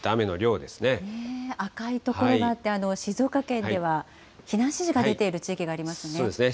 赤い所があって、静岡県では避難指示が出ている地域がありますね。